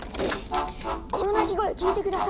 この鳴き声聞いて下さい。